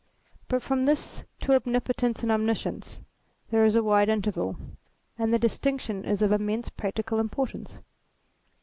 But from this to Omnipotence and Omniscience there is a wide interval. And the distinction is of immense practical im portance.